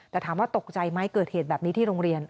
แต่ถามว่าตกใจไหมเกิดเหตุแบบนี้ที่โรงเรียน